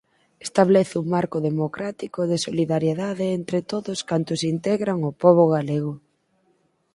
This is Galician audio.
Establece un marco democrático de solidariedade entre todos cantos integran o pobo galego.